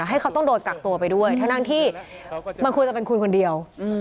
ให้เขาต้องโดดกักตัวไปด้วย